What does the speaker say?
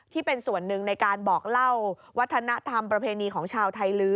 ที่เป็นส่วนหนึ่งในการบอกเล่าวัฒนธรรมประเพณีของชาวไทยลื้อ